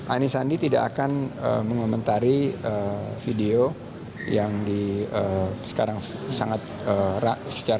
ani sandi tidak akan mengomentari video yang sekarang sangat secara masif beredar